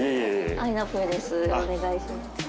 あっお願いします。